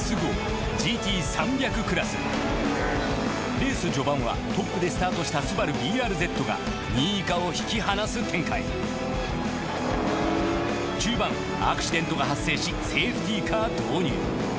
レース序盤はトップでスタートしたスバルＢＲＺが２位以下を引き離す展開中盤アクシデントが発生しセーフティカー導入。